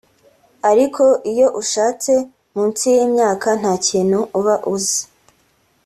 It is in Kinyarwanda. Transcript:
Ariko iyo ushatse munsi y’ iyi myaka nta kintu uba uzi